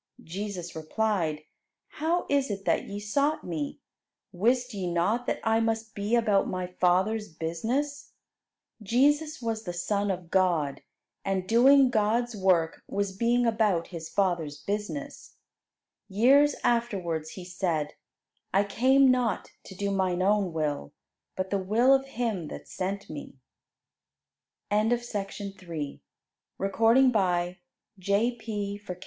Jesus replied, "How is it that ye sought Me? Wist ye not that I must be about My Father's business?" Jesus was the Son of God, and doing God's work was being about His Father's business. Years afterwards He said, "I came not to do Mine own will, but the will of Him that sent Me." [Illustration: "SON, WHY HAST THOU THUS DEALT WITH US?"